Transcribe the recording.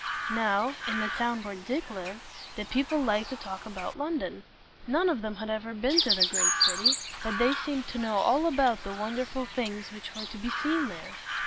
Now, in the town where Dick lived, the people liked to talk about London. None of them had ever been to the great city, but they seemed to know all about the wonderful things which were to be seen there.